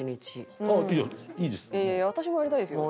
私もやりたいですよ。